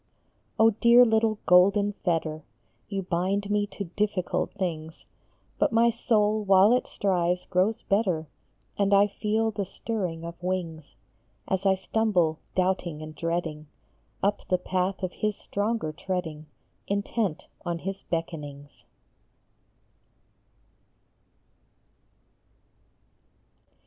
O dear little golden fetter, You bind me to difficult things ; SOME LOVER S DEAR THOUGHT. 65 But my soul while it strives grows better, And I feel the stirring of wings As I stumble, doubting and dreading, Up the path of his stronger treading, Intent on his beckonings.